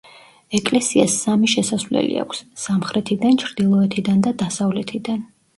ეკლესიას სამი შესასვლელი აქვს: სამხრეთიდან, ჩრდილოეთიდან და დასავლეთიდან.